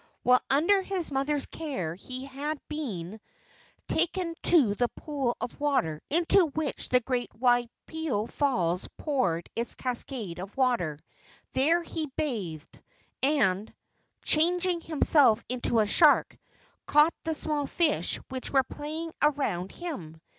While under his mother's care he had been 62 LEGENDS OF GHOSTS taken to the pool of water into which the great Waipio Falls poured its cascade of water. There he bathed, and, changing himself into a shark, caught the small fish which were playing around him.